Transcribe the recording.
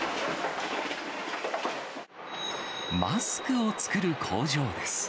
マスクを作る工場です。